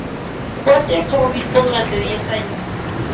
Walter fue obispo durante diez años.